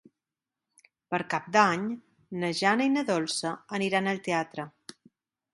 Per Cap d'Any na Jana i na Dolça aniran al teatre.